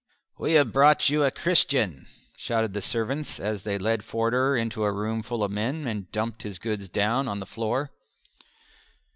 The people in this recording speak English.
"We have brought you a Christian," shouted the servants as they led Forder into a room full of men, and dumped his goods down on the floor.